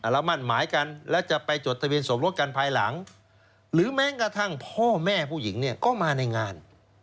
มั่นหมายกันแล้วจะไปจดทะเบียนสมรสกันภายหลังหรือแม้กระทั่งพ่อแม่ผู้หญิงเนี่ยก็มาในงาน